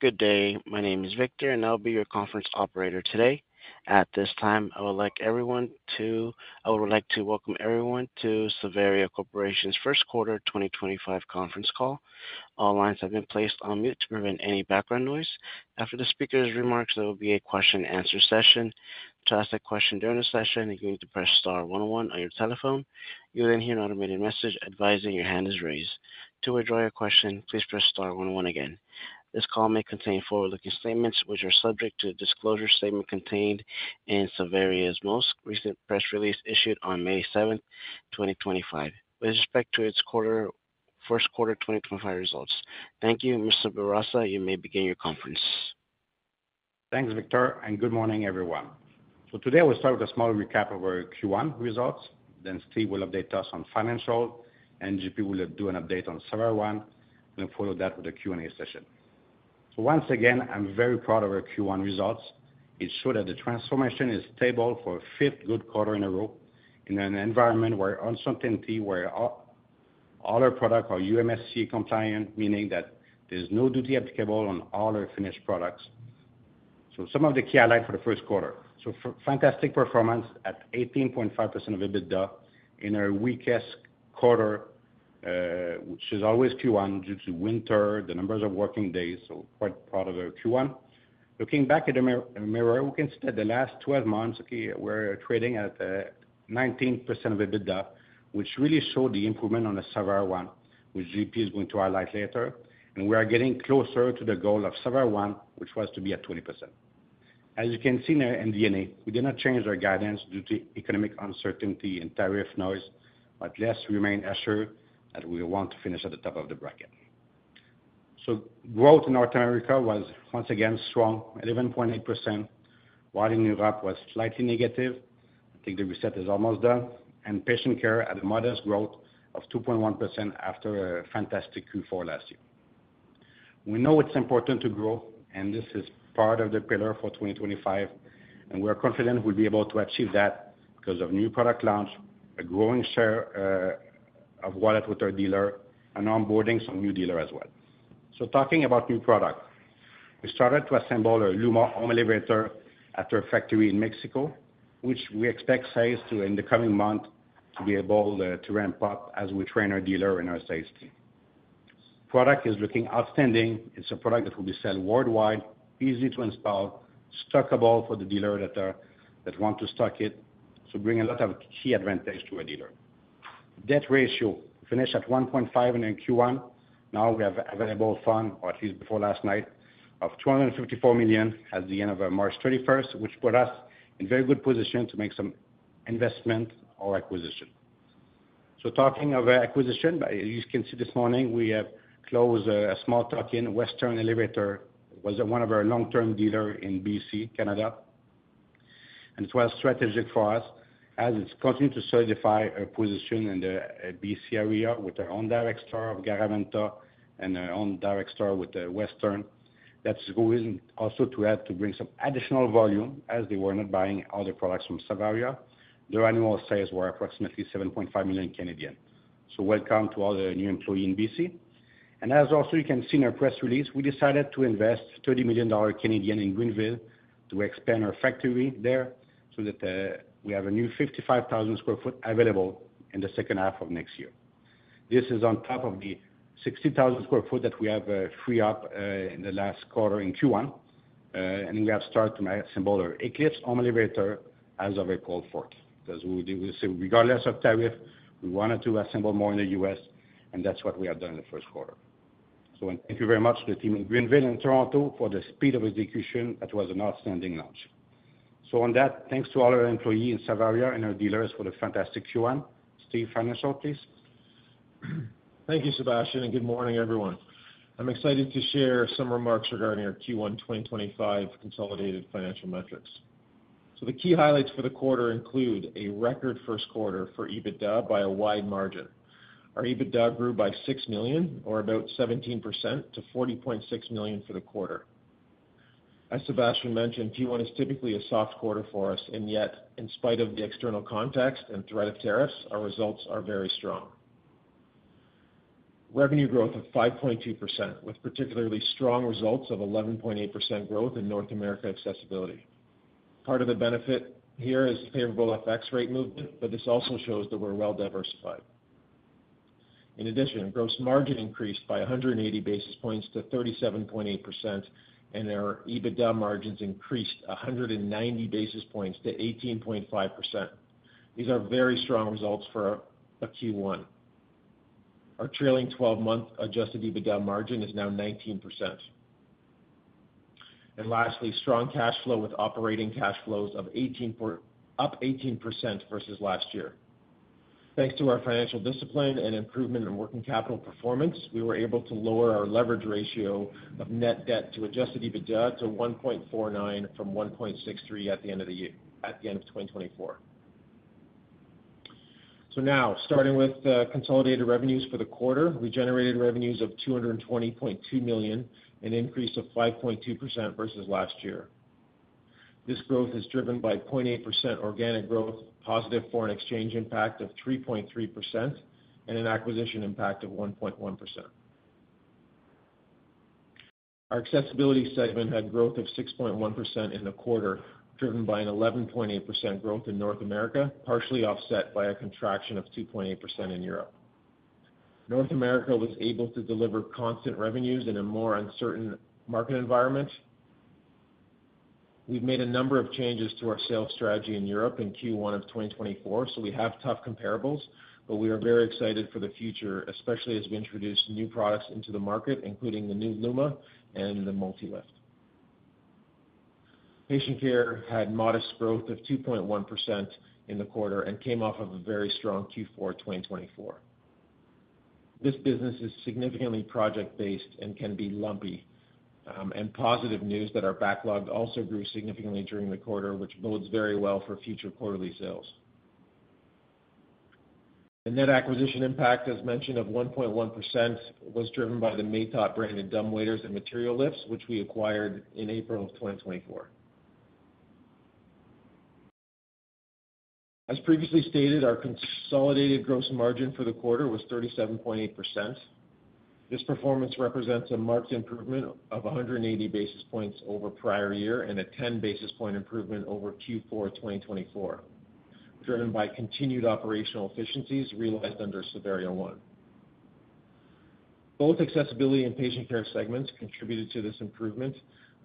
Good day. My name is Victor, and I'll be your conference operator today. At this time, I would like to welcome everyone to Savaria Corporation's first quarter 2025 conference call. All lines have been placed on mute to prevent any background noise. After the speaker's remarks, there will be a question-and-answer session. To ask a question during the session, you'll need to press star one one on your telephone. You'll then hear an automated message advising your hand is raised. To withdraw your question, please press star one one again. This call may contain forward-looking statements, which are subject to the disclosure statement contained in Savaria's most recent press release issued on May 7, 2025, with respect to its first quarter 2025 results. Thank you, Mr. Bourassa. You may begin your conference. Thanks, Victor, and good morning, everyone. Today, we'll start with a small recap of our Q1 results. Then Steve will update us on financials, and JP will do an update on Savaria, and then follow that with a Q&A session. Once again, I'm very proud of our Q1 results. It showed that the transformation is stable for a fifth good quarter in a row in an environment where uncertainty, where all our products are USMCA compliant, meaning that there's no duty applicable on all our finished products. Some of the key highlights for the first quarter: fantastic performance at 18.5% of EBITDA in our weakest quarter, which is always Q1 due to winter, the numbers of working days. Quite proud of our Q1. Looking back at the mirror, we can see that the last 12 months, okay, we're trading at 19% of EBITDA, which really showed the improvement on the Savaria One, which JP is going to highlight later. We are getting closer to the goal of Savaria One, which was to be at 20%. As you can see in our MD&A, we did not change our guidance due to economic uncertainty and tariff noise, but let's remain assured that we want to finish at the top of the bracket. Growth in North America was, once again, strong, 11.8%. While in Europe, it was slightly negative. I think the reset is almost done. Patient care had a modest growth of 2.1% after a fantastic Q4 last year. We know it's important to grow, and this is part of the pillar for 2025. We're confident we'll be able to achieve that because of new product launch, a growing share of wallet with our dealer, and onboarding some new dealers as well. Talking about new product, we started to assemble our Luma Home Elevator at our factory in Mexico, which we expect sales to, in the coming months, be able to ramp up as we train our dealer and our sales team. Product is looking outstanding. It's a product that will be sold worldwide, easy to install, stockable for the dealer that wants to stock it, so bringing a lot of key advantage to our dealer. Debt ratio finished at 1.5 in Q1. Now we have available fund, or at least before last night, of 254 million at the end of March 31st, which put us in very good position to make some investment or acquisition. Talking of acquisition, as you can see this morning, we have closed a small tuck-in Western Elevator. It was one of our long-term dealers in British Columbia, Canada. It was strategic for us as it continued to solidify our position in the British Columbia area with our own direct store of Garaventa and our own direct store with Western. That is going also to add to bring some additional volume as they were not buying other products from Savaria. Their annual sales were approximately 7.5 million. Welcome to all the new employees in British Columbia. As also you can see in our press release, we decided to invest 30 million Canadian dollars in Greenville to expand our factory there so that we have a new 55,000 sq ft available in the second half of next year. This is on top of the 60,000 sq ft that we have freed up in the last quarter in Q1. We have started to assemble our Eclipse Home Elevator as of April 4 because we say, regardless of tariff, we wanted to assemble more in the U.S., and that is what we have done in the first quarter. Thank you very much to the team in Greenville and Toronto for the speed of execution. That was an outstanding launch. On that, thanks to all our employees in Savaria and our dealers for the fantastic Q1. Steve, financial, please. Thank you, Sébastien, and good morning, everyone. I'm excited to share some remarks regarding our Q1 2025 consolidated financial metrics. The key highlights for the quarter include a record first quarter for EBITDA by a wide margin. Our EBITDA grew by $6 million, or about 17%, to $40.6 million for the quarter. As Sébastien mentioned, Q1 is typically a soft quarter for us, and yet, in spite of the external context and threat of tariffs, our results are very strong. Revenue growth of 5.2%, with particularly strong results of 11.8% growth in North America accessibility. Part of the benefit here is favorable FX rate movement, but this also shows that we're well diversified. In addition, gross margin increased by 180 basis points to 37.8%, and our EBITDA margins increased 190 basis points to 18.5%. These are very strong results for a Q1. Our trailing 12-month adjusted EBITDA margin is now 19%. Lastly, strong cash flow with operating cash flows up 18% versus last year. Thanks to our financial discipline and improvement in working capital performance, we were able to lower our leverage ratio of net debt to adjusted EBITDA to 1.49 from 1.63 at the end of the year at the end of 2024. Now, starting with consolidated revenues for the quarter, we generated revenues of $220.2 million, an increase of 5.2% versus last year. This growth is driven by 0.8% organic growth, positive foreign exchange impact of 3.3%, and an acquisition impact of 1.1%. Our accessibility segment had growth of 6.1% in the quarter, driven by an 11.8% growth in North America, partially offset by a contraction of 2.8% in Europe. North America was able to deliver constant revenues in a more uncertain market environment. We've made a number of changes to our sales strategy in Europe in Q1 of 2024, so we have tough comparables, but we are very excited for the future, especially as we introduce new products into the market, including the new Luma and the MultiLift. Patient care had modest growth of 2.1% in the quarter and came off of a very strong Q4 2024. This business is significantly project-based and can be lumpy. Positive news that our backlog also grew significantly during the quarter, which bodes very well for future quarterly sales. The net acquisition impact, as mentioned, of 1.1% was driven by the Matot branded dumbwaiters and material lifts, which we acquired in April of 2024. As previously stated, our consolidated gross margin for the quarter was 37.8%. This performance represents a marked improvement of 180 basis points over prior year and a 10 basis point improvement over Q4 2024, driven by continued operational efficiencies realized under Savaria One. Both accessibility and patient care segments contributed to this improvement,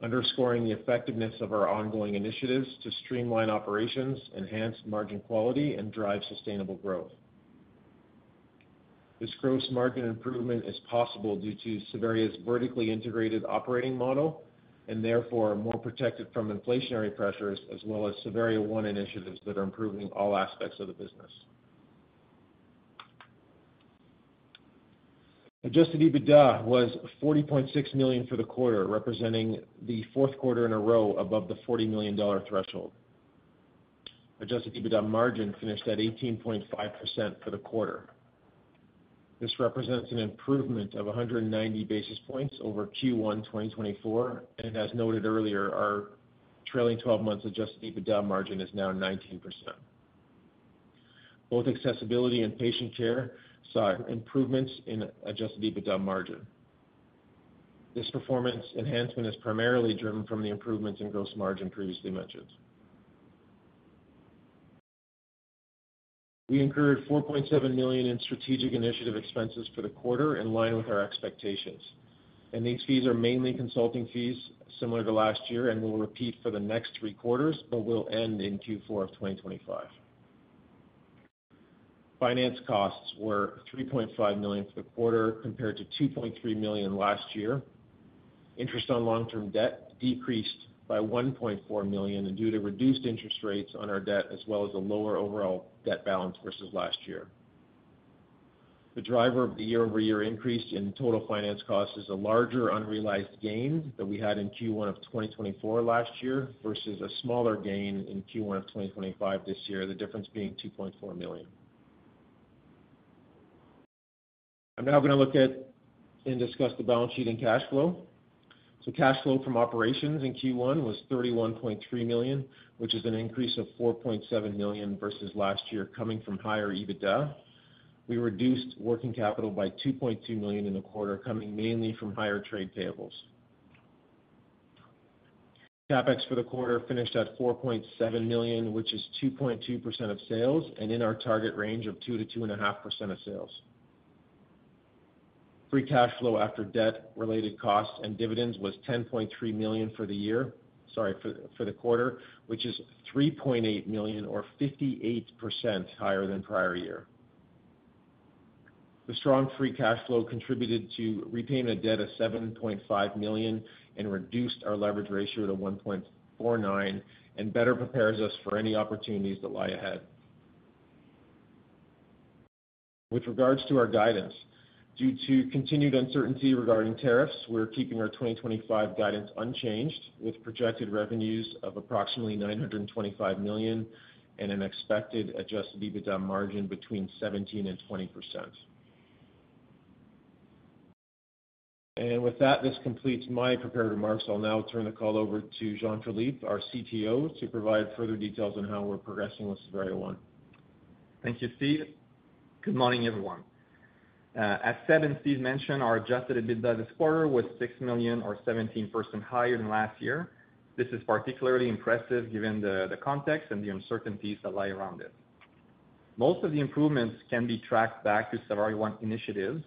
underscoring the effectiveness of our ongoing initiatives to streamline operations, enhance margin quality, and drive sustainable growth. This gross margin improvement is possible due to Savaria's vertically integrated operating model and therefore more protected from inflationary pressures, as well as Savaria One initiatives that are improving all aspects of the business. Adjusted EBITDA was 40.6 million for the quarter, representing the fourth quarter in a row above the $40 million threshold. Adjusted EBITDA margin finished at 18.5% for the quarter. This represents an improvement of 190 basis points over Q1 2024. As noted earlier, our trailing 12-month adjusted EBITDA margin is now 19%. Both accessibility and patient care saw improvements in adjusted EBITDA margin. This performance enhancement is primarily driven from the improvements in gross margin previously mentioned. We incurred 4.7 million in strategic initiative expenses for the quarter in line with our expectations. These fees are mainly consulting fees, similar to last year, and will repeat for the next three quarters, but will end in Q4 of 2025. Finance costs were 3.5 million for the quarter, compared to 2.3 million last year. Interest on long-term debt decreased by 1.4 million due to reduced interest rates on our debt, as well as a lower overall debt balance versus last year. The driver of the year-over-year increase in total finance costs is a larger unrealized gain that we had in Q1 of 2024 last year versus a smaller gain in Q1 of 2025 this year, the difference being 2.4 million. I'm now going to look at and discuss the balance sheet and cash flow. Cash flow from operations in Q1 was 31.3 million, which is an increase of 4.7 million versus last year, coming from higher EBITDA. We reduced working capital by 2.2 million in the quarter, coming mainly from higher trade payables. CapEx for the quarter finished at 4.7 million, which is 2.2% of sales, and in our target range of 2%-2.5% of sales. Free cash flow after debt-related costs and dividends was 10.3 million for the quarter, which is 3.8 million, or 58% higher than prior year. The strong free cash flow contributed to repaying a debt of 7.5 million and reduced our leverage ratio to 1.49 and better prepares us for any opportunities that lie ahead. With regards to our guidance, due to continued uncertainty regarding tariffs, we're keeping our 2025 guidance unchanged, with projected revenues of approximately 925 million and an expected adjusted EBITDA margin between 17%-20%. With that, this completes my prepared remarks. I'll now turn the call over to Jean-Philippe, our CTO, to provide further details on how we're progressing with Savaria One. Thank you, Steve. Good morning, everyone. As said and Steve mentioned, our adjusted EBITDA this quarter was 6 million, or 17% higher than last year. This is particularly impressive given the context and the uncertainties that lie around it. Most of the improvements can be tracked back to Savaria One initiatives,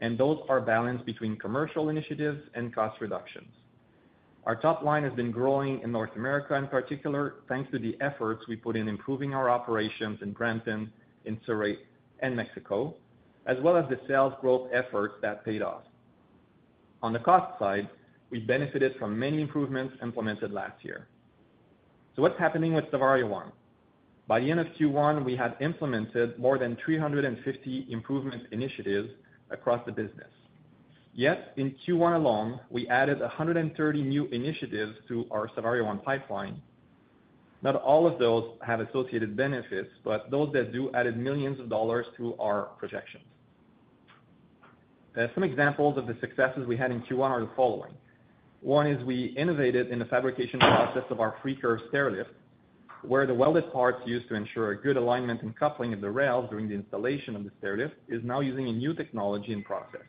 and those are balanced between commercial initiatives and cost reductions. Our top line has been growing in North America, in particular, thanks to the efforts we put in improving our operations in Brampton, Surrey, and Mexico, as well as the sales growth efforts that paid off. On the cost side, we benefited from many improvements implemented last year. What is happening with Savaria One? By the end of Q1, we had implemented more than 350 improvement initiatives across the business. Yet, in Q1 alone, we added 130 new initiatives to our Savaria One pipeline. Not all of those have associated benefits, but those that do added millions of dollars to our projections. Some examples of the successes we had in Q1 are the following. One is we innovated in the fabrication process of our pre-curve stairlift, where the welded parts used to ensure a good alignment and coupling of the rails during the installation of the stairlift is now using a new technology in process.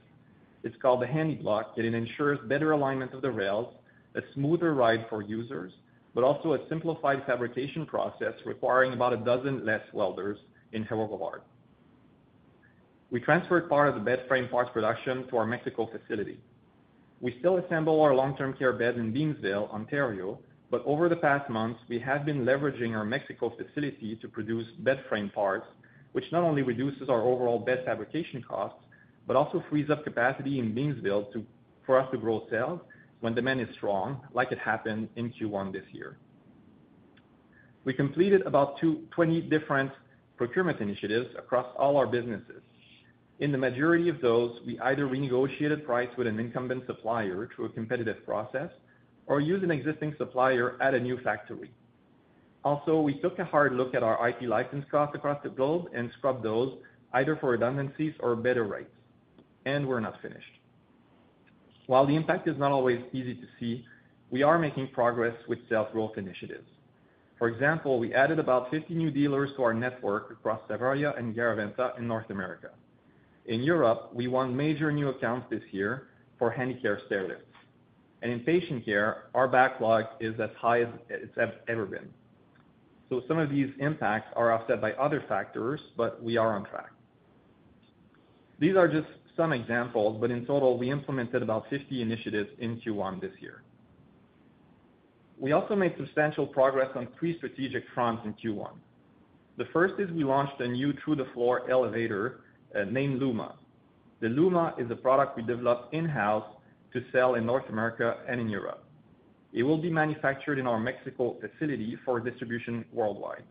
It's called the HandyBlock, and it ensures better alignment of the rails, a smoother ride for users, but also a simplified fabrication process requiring about a dozen less welders in helical bar. We transferred part of the bed frame parts production to our Mexico facility. We still assemble our long-term care beds in Beamsville, Ontario, but over the past months, we have been leveraging our Mexico facility to produce bed frame parts, which not only reduces our overall bed fabrication costs, but also frees up capacity in Beamsville for us to grow sales when demand is strong, like it happened in Q1 this year. We completed about 20 different procurement initiatives across all our businesses. In the majority of those, we either renegotiated price with an incumbent supplier through a competitive process or used an existing supplier at a new factory. Also, we took a hard look at our IP license costs across the globe and scrubbed those either for redundancies or better rates. We are not finished. While the impact is not always easy to see, we are making progress with sales growth initiatives. For example, we added about 50 new dealers to our network across Savaria and Garaventa in North America. In Europe, we won major new accounts this year for Handicare stairlifts. In patient care, our backlog is as high as it's ever been. Some of these impacts are offset by other factors, but we are on track. These are just some examples, but in total, we implemented about 50 initiatives in Q1 this year. We also made substantial progress on three strategic fronts in Q1. The first is we launched a new to-the-floor elevator named Luma. The Luma is a product we developed in-house to sell in North America and in Europe. It will be manufactured in our Mexico facility for distribution worldwide.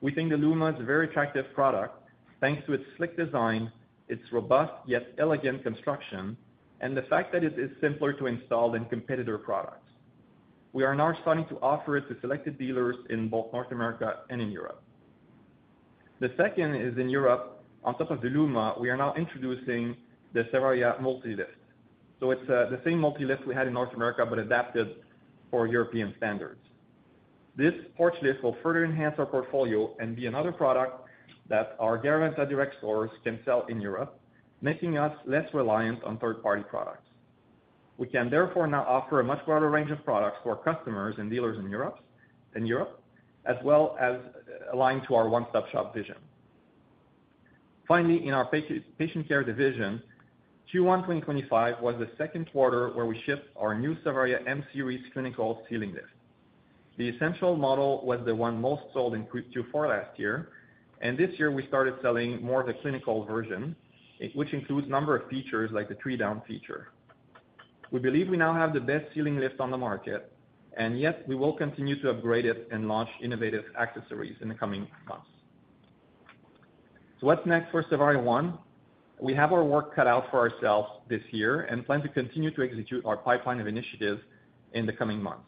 We think the Luma is a very attractive product thanks to its slick design, its robust yet elegant construction, and the fact that it is simpler to install than competitor products. We are now starting to offer it to selected dealers in both North America and in Europe. The second is in Europe. On top of the Luma, we are now introducing the Savaria MultiLift. It is the same MultiLift we had in North America but adapted for European standards. This porch lift will further enhance our portfolio and be another product that our Garaventa direct stores can sell in Europe, making us less reliant on third-party products. We can therefore now offer a much broader range of products to our customers and dealers in Europe, as well as align to our one-stop-shop vision. Finally, in our patient care division, Q1 2025 was the second quarter where we shipped our new Savaria M-Series clinical ceiling lift. The essential model was the one most sold in Q4 last year, and this year we started selling more of the clinical version, which includes a number of features like the tear-down feature. We believe we now have the best ceiling lift on the market, and yet we will continue to upgrade it and launch innovative accessories in the coming months. What is next for Savaria One? We have our work cut out for ourselves this year and plan to continue to execute our pipeline of initiatives in the coming months.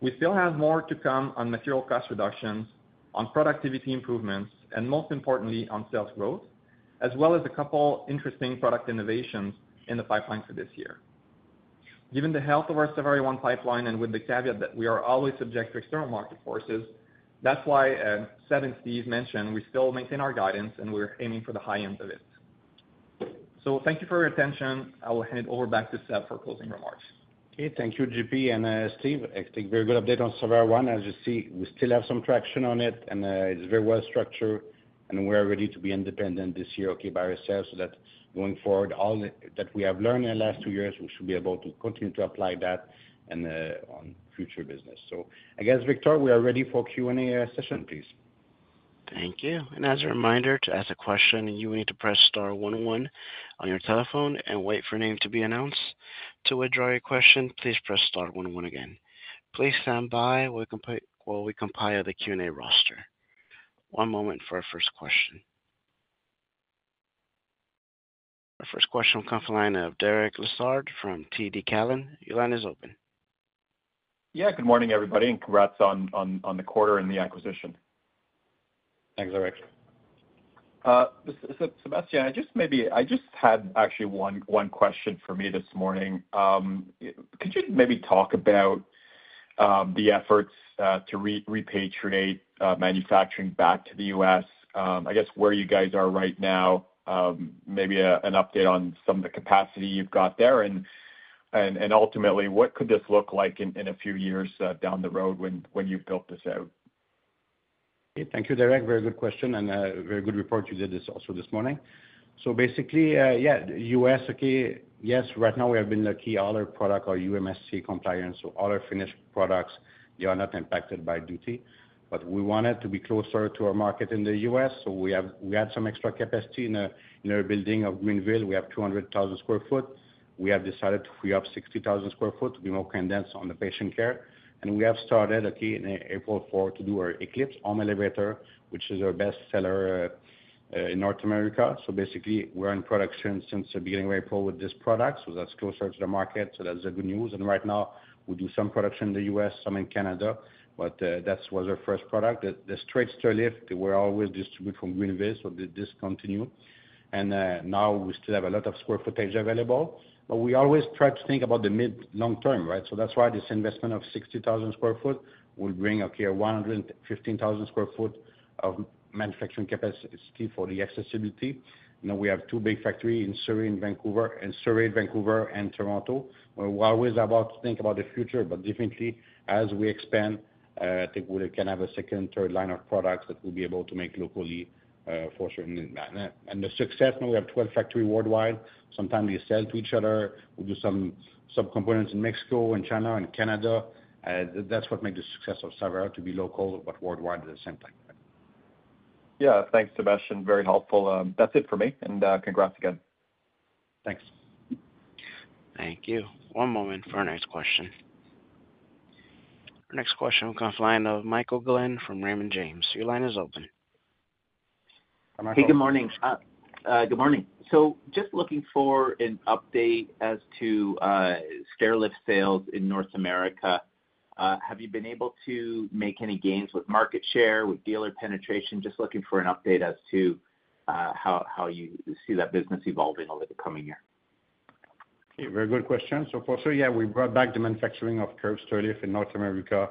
We still have more to come on material cost reductions, on productivity improvements, and most importantly, on sales growth, as well as a couple of interesting product innovations in the pipeline for this year. Given the health of our Savaria One pipeline and with the caveat that we are always subject to external market forces, that is why, as said and Steve mentioned, we still maintain our guidance and we are aiming for the high end of it. Thank you for your attention. I will hand it over back to Seb for closing remarks. Thank you, JP and Steve. I think very good update on Savaria One. As you see, we still have some traction on it, and it is very well structured, and we are ready to be independent this year by ourselves so that going forward, all that we have learned in the last two years, we should be able to continue to apply that on future business. I guess, Victor, we are ready for Q&A session, please. Thank you. As a reminder, to ask a question, you will need to press star one one on your telephone and wait for your name to be announced. To withdraw your question, please press star one one again. Please stand by while we compile the Q&A roster. One moment for our first question. Our first question will come from the line of Derek Lessard from TD Cowen. Your line is open. Yeah, good morning, everybody, and congrats on the quarter and the acquisition. Thanks, Derek. Sébastien, I just had actually one question for me this morning. Could you maybe talk about the efforts to repatriate manufacturing back to the U.S.? I guess where you guys are right now, maybe an update on some of the capacity you've got there, and ultimately, what could this look like in a few years down the road when you've built this out? Okay, thank you, Derek. Very good question and very good report you did this also this morning. Basically, yeah, U.S., okay, yes, right now we have been lucky; all our products are USMCA compliant, so all our finished products, they are not impacted by duty. We wanted to be closer to our market in the U.S., so we had some extra capacity in our building of Greenville. We have 200,000 sq ft. We have decided to free up 60,000 sq ft to be more condensed on the patient care. We have started, okay, in April 4 to do our Eclipse Home Elevator, which is our best seller in North America. Basically, we're in production since the beginning of April with this product, so that's closer to the market, so that's the good news. Right now, we do some production in the U.S., some in Canada, but that was our first product. The straight stairlift, we always distribute from Greenville, so this continues. We still have a lot of square footage available, but we always try to think about the mid-long term, right? That is why this investment of 60,000 sq ft will bring 115,000 sq ft of manufacturing capacity for the accessibility. Now we have two big factories in Surrey, Vancouver, and Toronto. We are always about to think about the future, but definitely, as we expand, I think we can have a second, third line of products that we will be able to make locally for certain demand. The success, we have 12 factories worldwide. Sometimes we sell to each other. We do some sub-components in Mexico and China and Canada. That's what makes the success of Savaria to be local but worldwide at the same time. Yeah, thanks, Sébastien. Very helpful. That's it for me, and congrats again. Thanks. Thank you. One moment for our next question. Our next question will come from the line of Michael Glenn from Raymond James. Your line is open. Hey, good morning. Just looking for an update as to stairlift sales in North America. Have you been able to make any gains with market share, with dealer penetration? Just looking for an update as to how you see that business evolving over the coming year. Okay, very good question. For sure, yeah, we brought back the manufacturing of curved stairlift in North America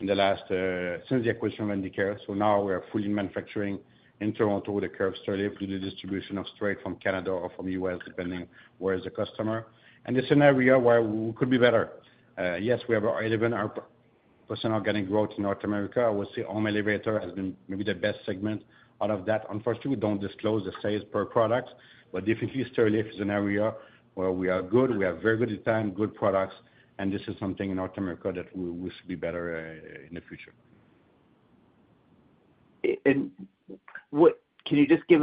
since the acquisition of Handicare. Now we are fully manufacturing in Toronto with a curved stairlift due to distribution straight from Canada or from the U.S., depending where is the customer. It is an area where we could be better. Yes, we have 11% organic growth in North America. I would say home elevator has been maybe the best segment out of that. Unfortunately, we do not disclose the sales per product, but definitely stairlift is an area where we are good. We have very good design, good products, and this is something in North America that we should be better in the future. Can you just give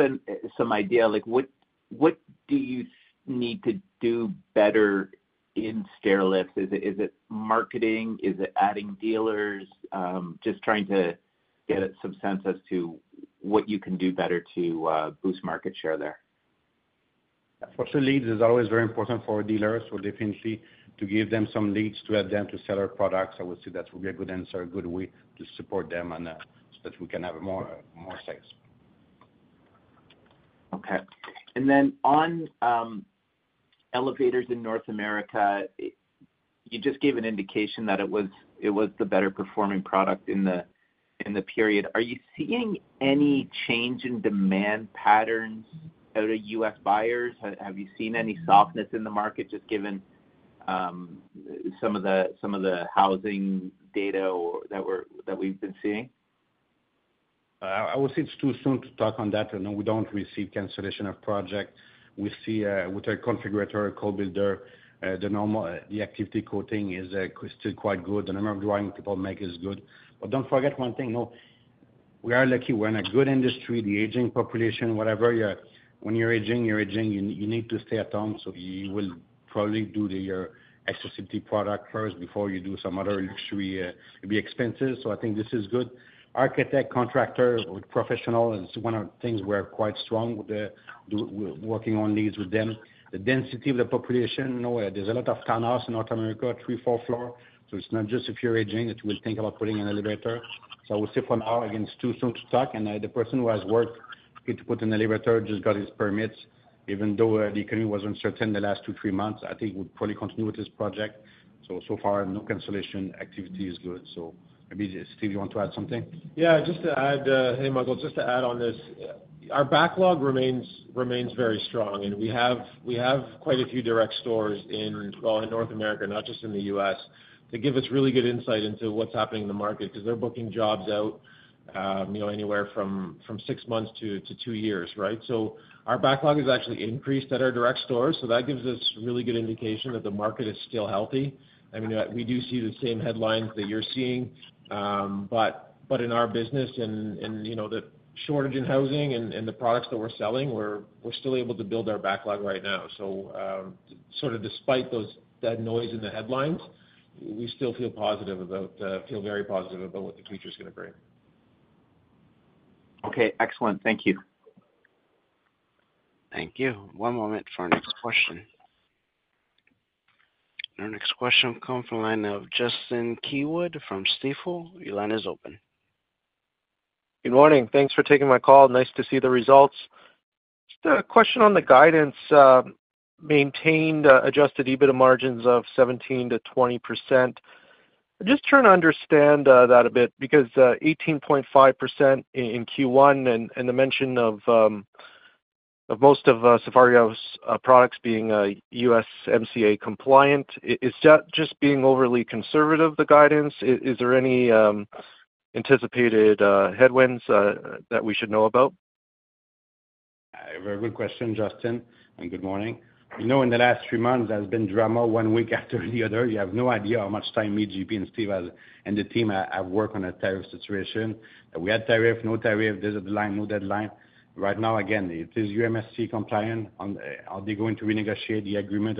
some idea? What do you need to do better in stairlifts? Is it marketing? Is it adding dealers? Just trying to get some sense as to what you can do better to boost market share there. Unfortunately, leads is always very important for dealers, so definitely to give them some leads to help them to sell our products, I would say that would be a good answer, a good way to support them so that we can have more sales. Okay. On elevators in North America, you just gave an indication that it was the better performing product in the period. Are you seeing any change in demand patterns out of U.S. buyers? Have you seen any softness in the market just given some of the housing data that we've been seeing? I would say it's too soon to talk on that. We don't receive cancellation of projects. With our configurator, our code builder, the activity coating is still quite good. The number of drawings people make is good. Don't forget one thing. We are lucky we're in a good industry. The aging population, when you're aging, you need to stay at home, so you will probably do your accessibility product first before you do some other luxury. It'd be expensive, so I think this is good. Architect, contractor, or professional is one of the things we're quite strong with working on leads with them. The density of the population, there's a lot of townhouse in North America, three, four floors, so it's not just if you're aging that you will think about putting an elevator. I would say for now, again, it's too soon to talk, and the person who has worked to put an elevator just got his permits. Even though the economy was uncertain the last two or three months, I think we'll probably continue with this project. So far, no cancellation. Activity is good. Maybe, Steve, you want to add something? Yeah, just to add, hey, Michael, just to add on this. Our backlog remains very strong, and we have quite a few direct stores in North America, not just in the U.S., to give us really good insight into what's happening in the market because they're booking jobs out anywhere from six months to two years, right? Our backlog has actually increased at our direct stores, so that gives us really good indication that the market is still healthy. I mean, we do see the same headlines that you're seeing, but in our business, and the shortage in housing and the products that we're selling, we're still able to build our backlog right now. Sort of despite that noise in the headlines, we still feel positive about, feel very positive about what the future is going to bring. Okay, excellent. Thank you. Thank you. One moment for our next question. Our next question will come from the line of Justin Keywood from Stifel. Your line is open. Good morning. Thanks for taking my call. Nice to see the results. Just a question on the guidance: maintained adjusted EBITDA margins of 17%-20%. I just try to understand that a bit because 18.5% in Q1 and the mention of most of Savaria's products being USMCA compliant, is that just being overly conservative, the guidance? Is there any anticipated headwinds that we should know about? Very good question, Justin, and good morning. You know, in the last three months, there has been drama one week after the other. You have no idea how much time me, JP, and Steve and the team have worked on a tariff situation. We had tariff, no tariff, this deadline, no deadline. Right now, again, it is USMCA compliant. Are they going to renegotiate the agreement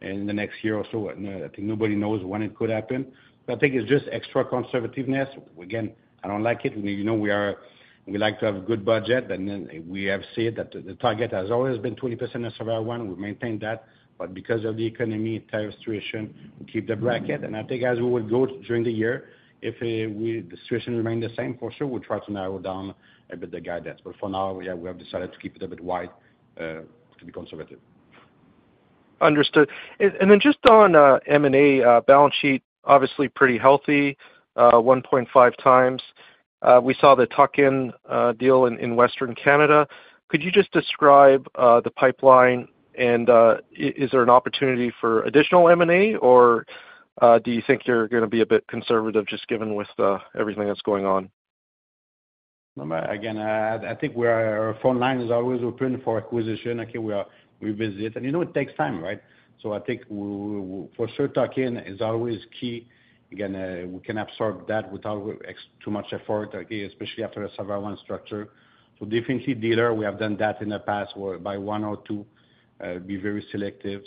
in the next year or so? I think nobody knows when it could happen. I think it is just extra conservativeness. Again, I do not like it. We like to have a good budget, and then we have said that the target has always been 20% of Savaria One. We have maintained that, but because of the economy, tariff situation, we keep the bracket. I think as we will go during the year, if the situation remains the same, for sure, we'll try to narrow down a bit the guidance. For now, yeah, we have decided to keep it a bit wide to be conservative. Understood. And then just on M&A balance sheet, obviously pretty healthy, 1.5x. We saw the tuck-in deal in Western Canada. Could you just describe the pipeline, and is there an opportunity for additional M&A, or do you think you're going to be a bit conservative just given with everything that's going on? Again, I think our phone line is always open for acquisition. We visit, and it takes time, right? I think for sure, tuck-in is always key. Again, we can absorb that without too much effort, especially after a Savaria One structure. Definitely, dealer, we have done that in the past by one or two. Be very selective.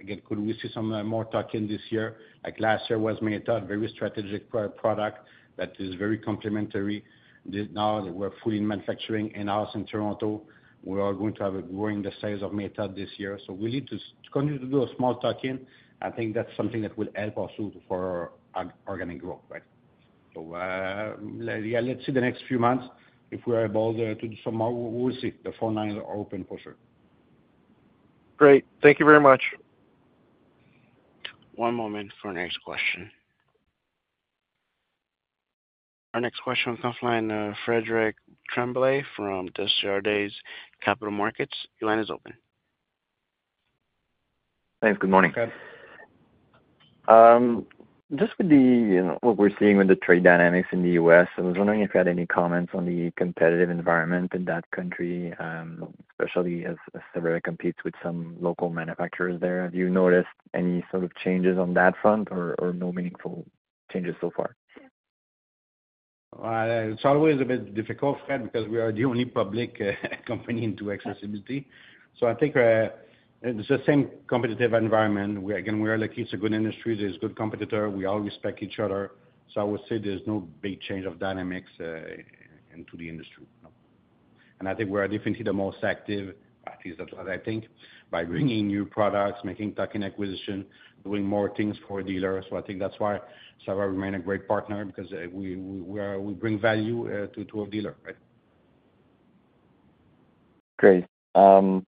Again, could we see some more tuck-in this year? Like last year was Meta, a very strategic product that is very complementary. Now that we're fully manufacturing in-house in Toronto, we are going to have a growing size of Meta this year. We need to continue to do a small tuck-in. I think that's something that will help us for our organic growth, right? Yeah, let's see the next few months. If we are able to do some more, we'll see. The phone lines are open for sure. Great. Thank you very much. One moment for our next question. Our next question will come from Frederic Tremblay from Desjardins Capital Markets. Your line is open. Thanks. Good morning. Just with what we're seeing with the trade dynamics in the U.S., I was wondering if you had any comments on the competitive environment in that country, especially as Savaria competes with some local manufacturers there. Have you noticed any sort of changes on that front or no meaningful changes so far? It's always a bit difficult, Fred, because we are the only public company into accessibility. I think it's the same competitive environment. Again, we are lucky, it's a good industry. There's good competitors. We all respect each other. I would say there's no big change of dynamics into the industry. I think we are definitely the most active, at least that's what I think, by bringing new products, making tuck-in acquisition, doing more things for dealers. I think that's why Savaria remained a great partner because we bring value to a dealer, right? Great.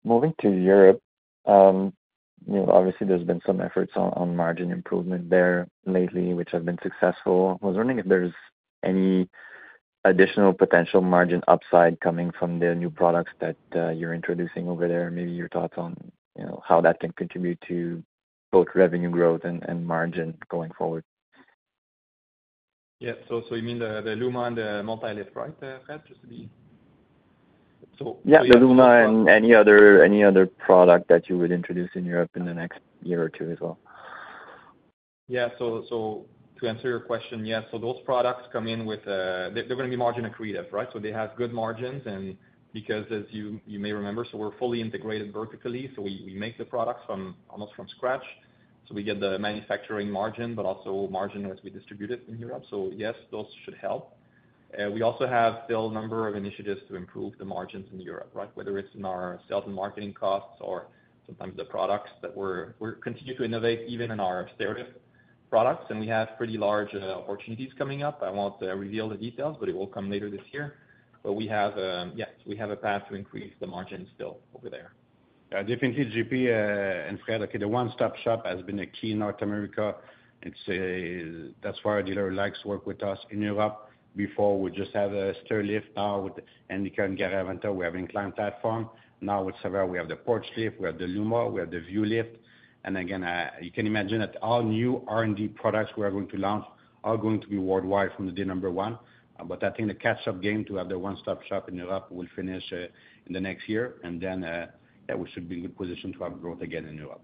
Moving to Europe, obviously, there's been some efforts on margin improvement there lately, which have been successful. I was wondering if there's any additional potential margin upside coming from the new products that you're introducing over there, maybe your thoughts on how that can contribute to both revenue growth and margin going forward. Yeah. So you mean the Luma and the MultiLift, right, Fred? Just to be. Yeah, the Luma and any other product that you would introduce in Europe in the next year or two as well. Yeah. To answer your question, yes. Those products come in with, they're going to be margin accretive, right? They have good margins. As you may remember, we're fully integrated vertically, so we make the products almost from scratch. We get the manufacturing margin, but also margin as we distribute it in Europe. Yes, those should help. We also have still a number of initiatives to improve the margins in Europe, right? Whether it's in our sales and marketing costs or sometimes the products that we're continuing to innovate, even in our stairlift products. We have pretty large opportunities coming up. I won't reveal the details, it will come later this year. Yeah, we have a path to increase the margins still over there. Yeah, definitely, JP and Fred, the one-stop shop has been a key in North America. That is why our dealer likes to work with us in Europe. Before, we just had a stairlift. Now with Handicare and Garaventa, we have an inclined platform. Now with Savaria, we have the Porch Lift, we have the Luma, we have the Vuelift. Again, you can imagine that all new R&D products we are going to launch are going to be worldwide from day number one. I think the catch-up game to have the one-stop shop in Europe will finish in the next year. We should be in a good position to have growth again in Europe.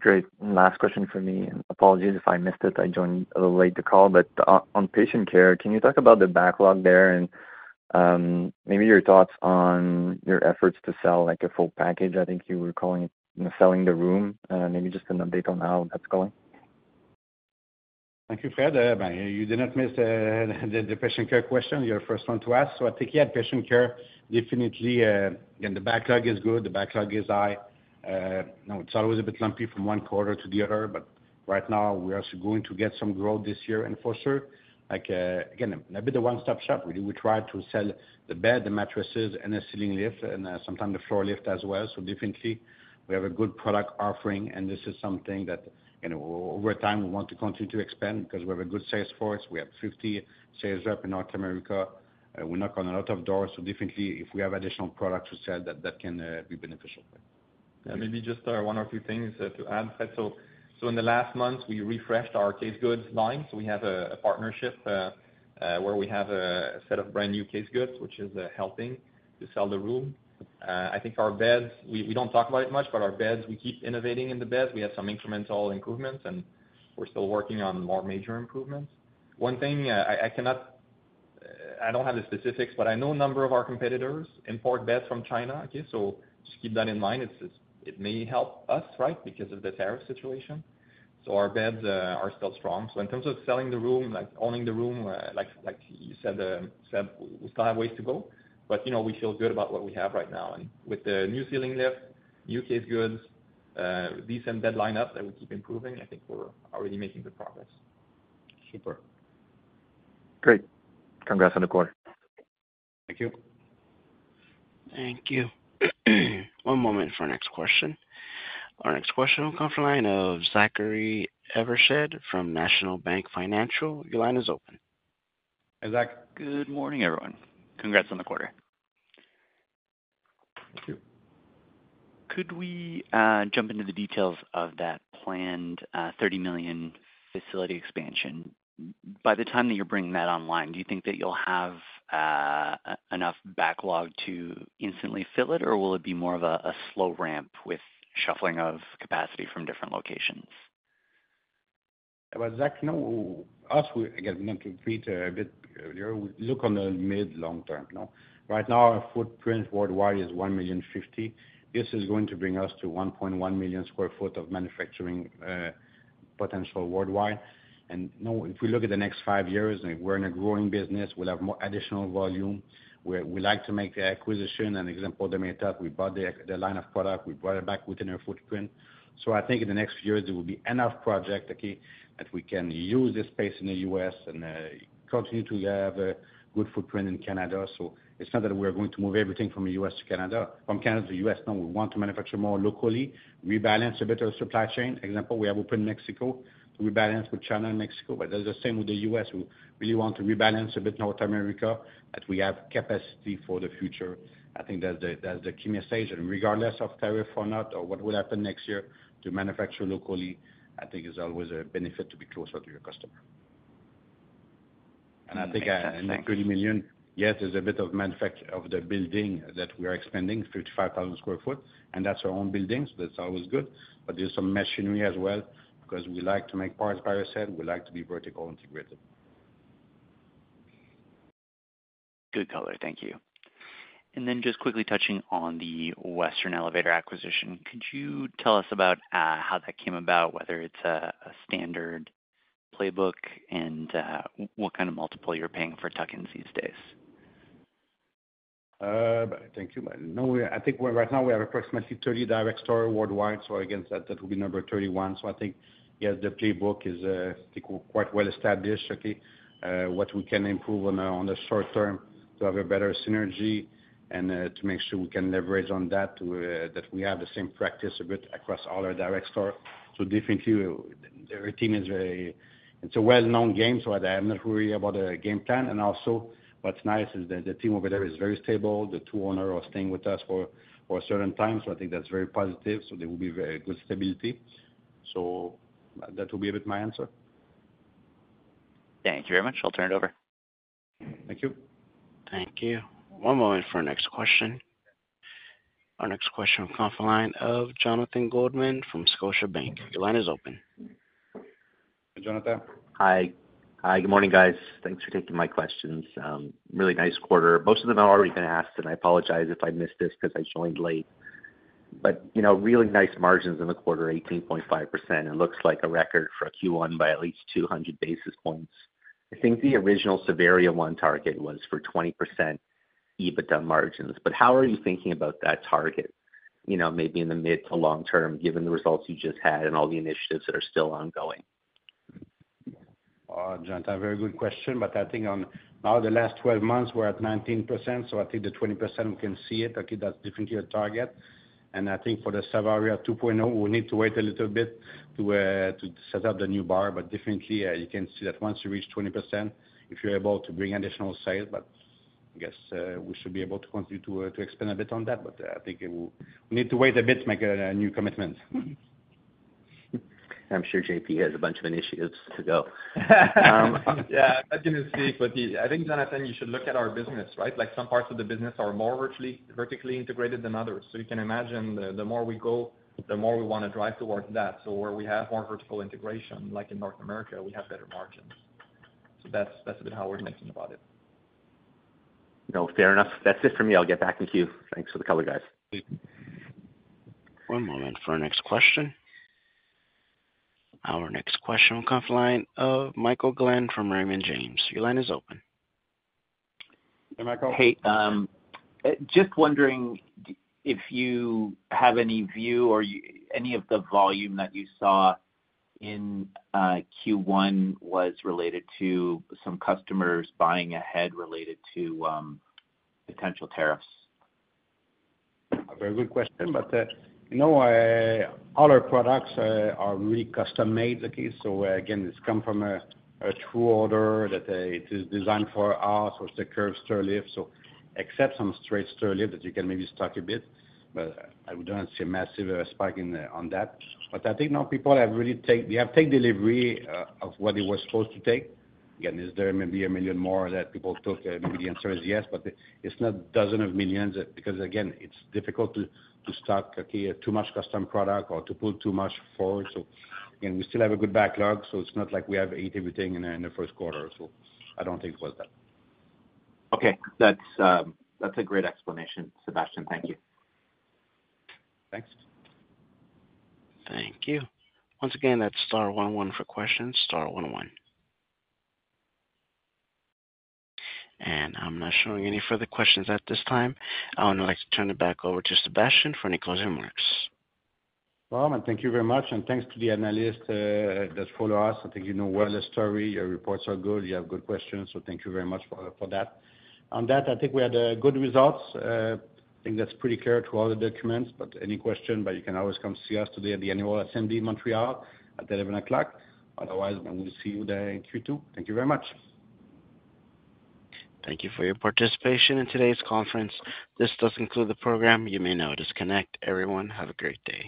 Great. Last question for me. Apologies if I missed it. I joined a little late to the call. On patient care, can you talk about the backlog there and maybe your thoughts on your efforts to sell a full package? I think you were calling it selling the room. Maybe just an update on how that's going. Thank you, Fred. You did not miss the patient care question. You're the first one to ask. I think, yeah, patient care, definitely, again, the backlog is good. The backlog is high. It's always a bit lumpy from one quarter to the other, but right now, we are going to get some growth this year. For sure, again, a bit of a one-stop shop. We try to sell the bed, the mattresses, and the ceiling lift, and sometimes the floor lift as well. Definitely, we have a good product offering, and this is something that over time, we want to continue to expand because we have a good sales force. We have 50 sales reps in North America. We knock on a lot of doors. Definitely, if we have additional products to sell, that can be beneficial. Maybe just one or two things to add, Fred. In the last month, we refreshed our case goods line. We have a partnership where we have a set of brand new case goods, which is helping to sell the room. I think our beds, we do not talk about it much, but our beds, we keep innovating in the beds. We have some incremental improvements, and we are still working on more major improvements. One thing, I do not have the specifics, but I know a number of our competitors import beds from China. Just keep that in mind. It may help us, right, because of the tariff situation. Our beds are still strong. In terms of selling the room, owning the room, like you said, we still have ways to go, but we feel good about what we have right now. With the new ceiling lift, new case goods, decent bed lineup that we keep improving, I think we're already making good progress. Super. Great. Congrats on the quarter. Thank you. Thank you. One moment for our next question. Our next question will come from the line of Zachary Evershed from National Bank Financial. Your line is open. Zach, good morning, everyone. Congrats on the quarter. Thank you. Could we jump into the details of that planned 30 million facility expansion? By the time that you're bringing that online, do you think that you'll have enough backlog to instantly fill it, or will it be more of a slow ramp with shuffling of capacity from different locations? About Zach, again, we need to repeat a bit earlier. We look on the mid-long term. Right now, our footprint worldwide is 1,050,000 sq ft. This is going to bring us to 1.1 million sq ft of manufacturing potential worldwide. If we look at the next five years, we're in a growing business. We'll have more additional volume. We like to make the acquisition. An example of the Meta, we bought the line of product. We brought it back within our footprint. I think in the next few years, there will be enough projects that we can use this space in the U.S. and continue to have a good footprint in Canada. It's not that we're going to move everything from the U.S. to Canada. From Canada to the U.S., no. We want to manufacture more locally, rebalance a bit of the supply chain. Example, we have opened Mexico to rebalance with China and Mexico. That is the same with the U.S. We really want to rebalance a bit North America that we have capacity for the future. I think that is the key message. Regardless of tariff or not, or what will happen next year, to manufacture locally, I think it is always a benefit to be closer to your customer. I think in the 30 million, yes, there is a bit of the building that we are expanding, 55,000 sq ft, and that is our own buildings. That is always good. There is some machinery as well because we like to make parts by ourselves. We like to be vertical integrated. Good color. Thank you. And then just quickly touching on the Western Elevator acquisition, could you tell us about how that came about, whether it's a standard playbook and what kind of multiple you're paying for Tuck ins these days? Thank you. I think right now we have approximately 30 direct stores worldwide. Again, that will be number 31. I think, yeah, the playbook is quite well established. What we can improve on in the short term to have better synergy and to make sure we can leverage on that is that we have the same practice a bit across all our direct stores. Definitely, our team is a well-known game, so I'm not worried about a game plan. Also, what's nice is that the team over there is very stable. The two owners are staying with us for a certain time. I think that's very positive. There will be good stability. That will be a bit my answer. Thank you very much. I'll turn it over. Thank you. Thank you. One moment for our next question. Our next question will come from the line of Jonathan Goldman from Scotiabank. Your line is open. Hi, Jonathan. Hi. Good morning, guys. Thanks for taking my questions. Really nice quarter. Most of them have already been asked, and I apologize if I missed this because I joined late. Really nice margins in the quarter, 18.5%. It looks like a record for Q1 by at least 200 basis points. I think the original Savaria One target was for 20% EBITDA margins. How are you thinking about that target, maybe in the mid to long term, given the results you just had and all the initiatives that are still ongoing? Jonathan, very good question. I think now the last 12 months, we're at 19%. I think the 20%, we can see it. That's definitely a target. I think for the Savaria 2.0, we need to wait a little bit to set up the new bar. Definitely, you can see that once you reach 20%, if you're able to bring additional sales, I guess we should be able to continue to expand a bit on that. I think we need to wait a bit to make a new commitment. I'm sure JP has a bunch of initiatives to go. Yeah. I'm not going to speak, but I think, Jonathan, you should look at our business, right? Some parts of the business are more vertically integrated than others. You can imagine the more we go, the more we want to drive towards that. Where we have more vertical integration, like in North America, we have better margins. That is a bit how we're thinking about it. Fair enough. That's it for me. I'll get back to you. Thanks for the color, guys. One moment for our next question. Our next question will come from the line of Michael Glenn from Raymond James. Your line is open. Hey, Michael. Hey. Just wondering if you have any view or any of the volume that you saw in Q1 was related to some customers buying ahead related to potential tariffs. A very good question. But all our products are really custom-made. So again, it comes from a true order that it is designed for us. It is a curved stairlift. So except some straight stairlift that you can maybe stock a bit, but I do not see a massive spike on that. But I think people have really taken delivery of what it was supposed to take. Again, is there maybe a million more that people took? Maybe the answer is yes, but it is not dozens of millions because, again, it is difficult to stock too much custom product or to pull too much forward. So again, we still have a good backlog. So it is not like we have eaten everything in the first quarter. So I do not think it was that. Okay. That's a great explanation, Sébastien. Thank you. Thanks. Thank you. Once again, that's star one one for questions. star one one. I am not showing any further questions at this time. I would like to turn it back over to Sébastien for any closing remarks. Thank you very much. And thanks to the analysts that follow us. I think you know well the story. Your reports are good. You have good questions. So thank you very much for that. On that, I think we had good results. I think that's pretty clear to all the documents. But any question, you can always come see us today at the Annual Assembly in Montreal at 11:00 A.M. Otherwise, we'll see you there in Q2. Thank you very much. Thank you for your participation in today's conference. This does conclude the program. You may now disconnect. Everyone, have a great day.